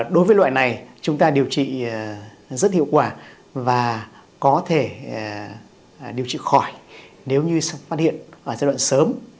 đối với loại này chúng ta điều trị rất hiệu quả và có thể điều trị khỏi nếu như phát hiện ở giai đoạn sớm